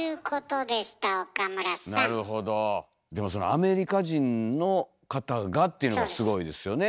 でもそのアメリカ人の方がっていうのがすごいですよね。